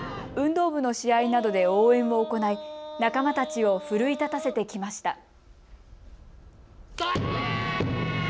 運動部の試合などで応援を行い仲間たちを奮い立たせてきました。